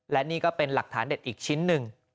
และนี่ก็เป็นหลักฐานเด็ดอีกชิ้นหนึ่ง